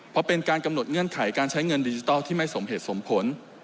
เพราะเป็นการกำหนดเงื่อนไขการใช้เงินดิจิทัลที่ไม่สมเหตุสมผล